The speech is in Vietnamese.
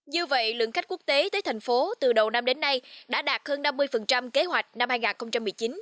như vậy lượng khách quốc tế tới thành phố từ đầu năm đến nay đã đạt hơn năm mươi kế hoạch năm hai nghìn một mươi chín